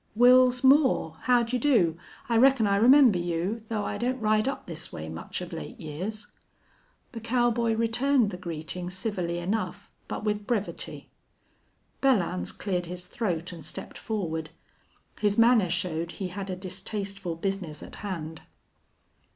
"Wils Moore. How d'ye do? I reckon I remember you, though I don't ride up this way much of late years." The cowboy returned the greeting civilly enough, but with brevity. Belllounds cleared his throat and stepped forward. His manner showed he had a distasteful business at hand.